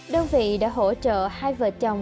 đơn vị đã hỗ trợ hai vợ chồng